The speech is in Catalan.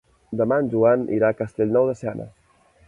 Demà en Joan irà a Castellnou de Seana.